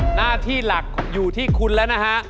หน้าที่หลักอยู่ที่คุณแล้วนะฮะ